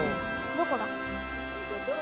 どこだ？